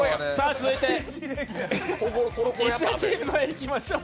続いて石田さんチームいきましょう。